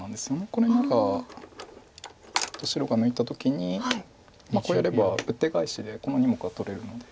これ何か白が抜いた時にこうやればウッテガエシでこの２目は取れるので。